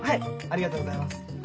ありがとうございます。